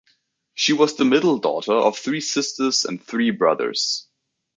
She was the middle daughter of three sisters and three brothers.